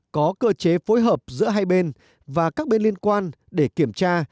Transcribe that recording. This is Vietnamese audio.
có cơ chế phối hợp giữa hai bên và các bên liên quan để kiểm tra